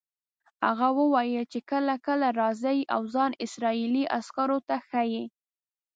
هغه وویل چې کله کله راځي او ځان اسرائیلي عسکرو ته ښیي.